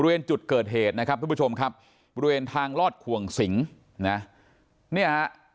จุดเกิดเหตุนะครับทุกผู้ชมครับบริเวณทางลอดขวงสิงนะเนี่ยฮะ